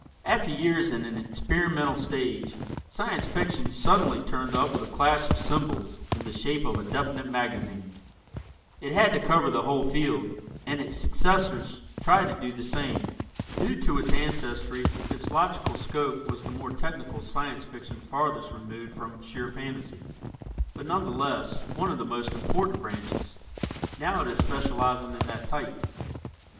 After years in an experimental stage, Science Fiction suddenly turned up with a clash of cymbals in the shape of a definite magazine. It had to cover the whole field, and its successors tried to do the same. Due to its ancestry its logical scope was the more technical Science Fiction farthest removed from sheer fantasy, but, none the less, one of the most important branches. Now it is specializing in that type.